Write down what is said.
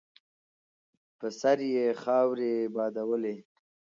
په سر یې خاورې بادولې.